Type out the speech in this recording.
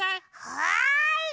はい！